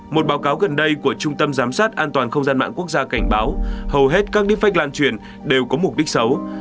một báo cáo gần đây của trung tâm giám sát an toàn không gian mạng quốc gia cảnh báo hầu hết các defect lan truyền đều có mục đích xấu